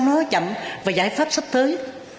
nó chậm và giải pháp sắp tới